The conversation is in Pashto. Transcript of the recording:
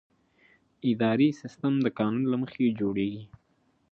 اداري سیستم د قانون له مخې جوړېږي.